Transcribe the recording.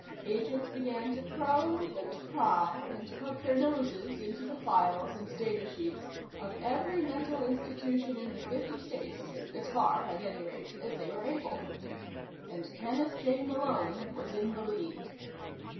Agents began to probe and pry and poke their noses into the files and data sheets of every mental institution in the fifty states as far, at any rate, as they were able. And Kenneth J. Malone was in the lead.